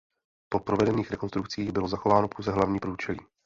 Po provedených rekonstrukcích bylo zachováno pouze hlavní průčelí.